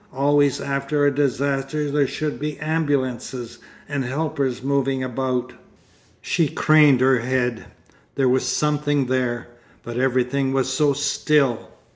Always after a disaster there should be ambulances and helpers moving about.... She craned her head. There was something there. But everything was so still!